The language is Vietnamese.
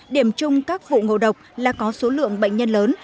điểm chung các vụ ngộ độc là có số lượng bệnh nhân lớn